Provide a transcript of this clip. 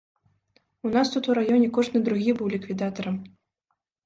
У нас тут у раёне кожны другі быў ліквідатарам.